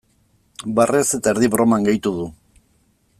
Barrez eta erdi broman gehitu du.